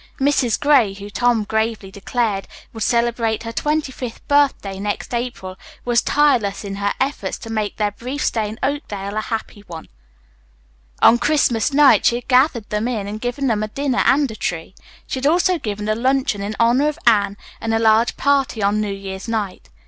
Mrs. Gray, who, Tom gravely declared, would celebrate her twenty fifth birthday next April, was tireless in her efforts to make their brief stay in Oakdale a happy one. On Christmas night she had gathered them in and given them a dinner and a tree. She had also given a luncheon in honor of Anne and a large party on New Year's night.